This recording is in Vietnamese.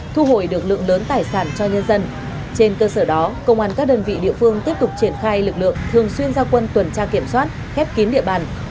trên cơ sở đó công an các đơn vị địa phương tiếp tục triển khai lực lượng thường xuyên ra quân tuần tra kiểm soát khép kín địa bàn